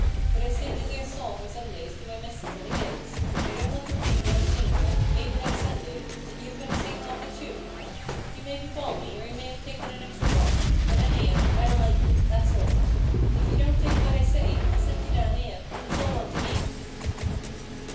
But I sing this 'ere song on Sundays to my missus and the kids, and I don't want to think when I'm singin' it, maybe next Sunday, that you've been a HUGO RAVEN S HAND. 1 73 singin' of it too. You may be balmy, or you may 'ave taken an extra drop — but, any'ow, I don't like you, that's all ! If you don't take what I say, I'll set you down 'ere — it's all one to me